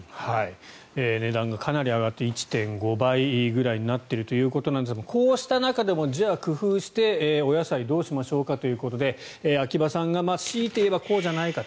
値段がかなり上がって１．５倍ぐらいになっていることですがこうした中でも工夫してお野菜、どうしましょうかということで秋葉さんがしいて言えばこうじゃないかと。